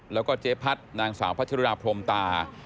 แล้วก็เจ๊พัทรนางสาวพระชริราโพรมตา